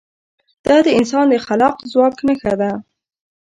دا د انسان د خلاق ځواک نښه ده.